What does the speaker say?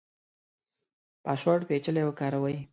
پاسورډ پیچلی کاروئ؟